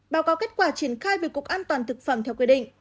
báo cáo kết quả triển khai về cục an toàn thực phẩm theo quy định